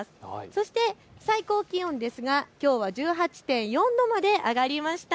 そして最高気温ですがきょうは１８．４度まで上がりました。